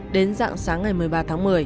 đến dạng sáng ngày một mươi ba tháng một mươi